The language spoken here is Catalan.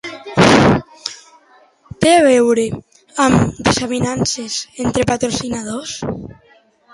Té a veure amb desavinences entre patrocinadors?